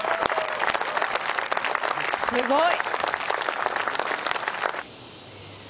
すごい！